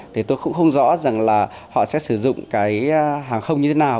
thì tôi cũng không rõ rằng là họ sẽ sử dụng cái hàng không như thế nào